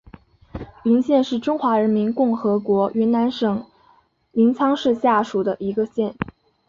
云县是中华人民共和国云南省临沧市下属的一个县。